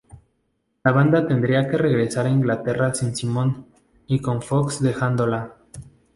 La banda tendría que regresar a Inglaterra sin Simon, y con Foxx dejándola.